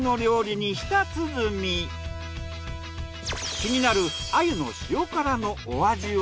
気になる鮎の塩辛のお味は？